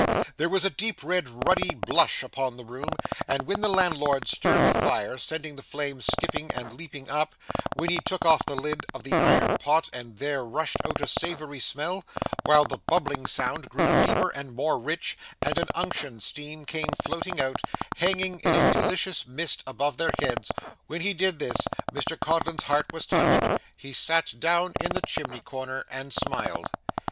There was a deep red ruddy blush upon the room, and when the landlord stirred the fire, sending the flames skipping and leaping up when he took off the lid of the iron pot and there rushed out a savoury smell, while the bubbling sound grew deeper and more rich, and an unctuous steam came floating out, hanging in a delicious mist above their heads when he did this, Mr Codlin's heart was touched. He sat down in the chimney corner and smiled.